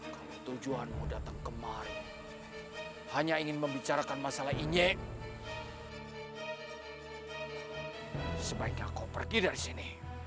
kalau tujuanmu datang kemari hanya ingin membicarakan masalah injek sebaiknya kau pergi dari sini